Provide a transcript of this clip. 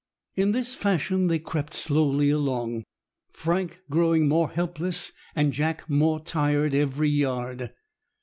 In this fashion they crept slowly along, Frank growing more helpless and Jack more tired every yard.